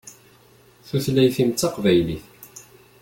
Tutlayt-im d taqbaylit.